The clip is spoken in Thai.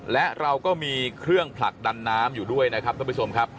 และเราก็มีเครื่องผลักดันน้ำอยู่ด้วยนะครับท่านผู้ชมครับ